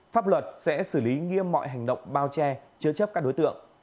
pháp luật sẽ xử lý nghiêm mọi hành động bao che chứa chấp các đối tượng